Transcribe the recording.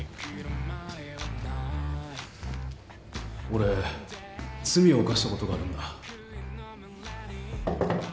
俺罪を犯したことがあるんだ。